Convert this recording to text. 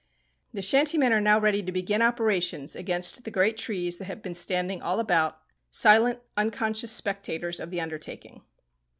The shantymen are now ready to begin operations against the great trees that have been standing all about, silent, unconscious spectators of the undertaking.